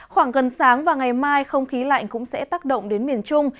khoảng gần sáng và ngày mai không khí lạnh cũng sẽ tác động đến miền trung